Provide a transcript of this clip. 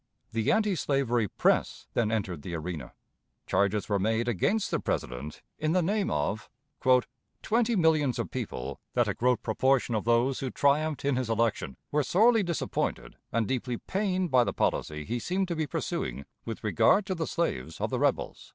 The anti slavery press then entered the arena. Charges were made against the President, in the name of "Twenty millions of people, that a groat proportion of those who triumphed in his election were sorely disappointed and deeply pained by the policy he seemed to be pursuing with regard to the slaves of the rebels."